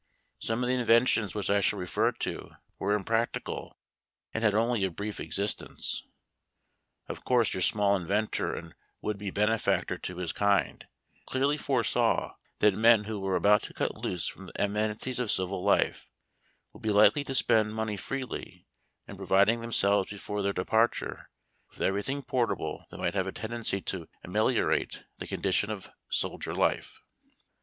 Some of the inventions which I shall refer to were impractical, and had only a brief existence. Of course your small inventor and would be benefactor to his kind, clearly foresaw that men who were about to cut loose from the amenities of civil life would be likely to spend money freely in providing themselves before their departure with every A MORTAR BOAT. thing portable that might have a tendency to ameliorate tue condition of soldier life.